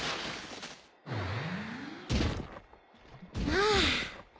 ああ。